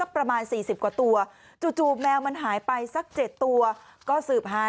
ประมาณ๔๐กว่าตัวจู่แมวมันหายไปสัก๗ตัวก็สืบหาย